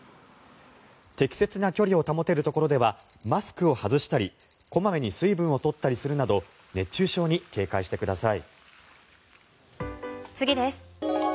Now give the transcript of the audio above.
適切な距離を保てるところではマスクを外したり小まめに水分を取ったりするなど熱中症に警戒してください。